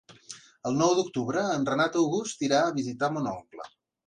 El nou d'octubre en Renat August irà a visitar mon oncle.